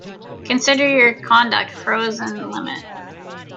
Consider your conduct frozen limit.